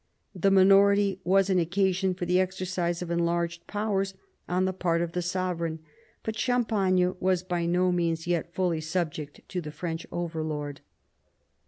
The minority was an occasion for the exercise of enlarged powers on the part of the sovereign ; but Champagne was by no means yet fully subject to the French overlord.